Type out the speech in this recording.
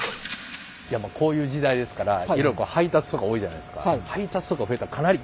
こういう時代ですからえらい配達とか多いじゃないですか。